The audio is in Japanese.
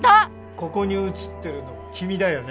ここに写ってるの君だよね？